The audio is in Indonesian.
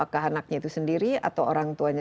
apakah anaknya itu sendiri atau orang tuanya sendiri